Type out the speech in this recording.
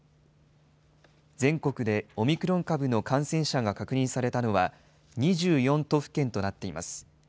全国でオミクロン株の感染者が確認されたのは、２４都府県となっています。